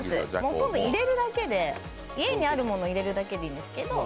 入れるだけで、家にあるものを入れるだけでいいんですけど。